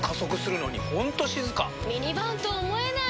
ミニバンと思えない！